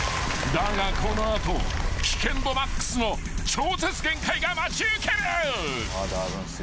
［だがこの後危険度マックスの超絶限界が待ち受ける］